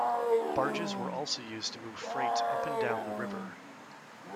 Barges were also used to move freight up and down the river.